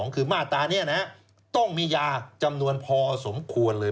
คือมาตรานี้ต้องมียาจำนวนพอสมควรเลย